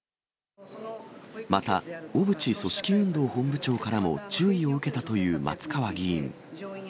また、小渕組織運動本部長からも注意を受けたという松川議員。